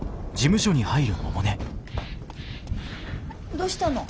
どしたの？